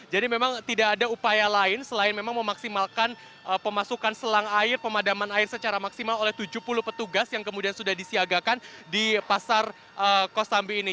jadi memang tidak ada upaya lain selain memang memaksimalkan pemasukan selang air pemadaman air secara maksimal oleh tujuh puluh petugas yang kemudian sudah disiagakan di pasar kosambi ini